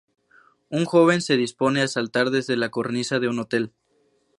Un joven se dispone a saltar desde la cornisa de un hotel.